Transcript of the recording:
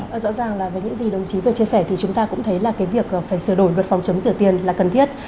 và rõ ràng là với những gì đồng chí vừa chia sẻ thì chúng ta cũng thấy là cái việc phải sửa đổi luật phòng chống rửa tiền là cần thiết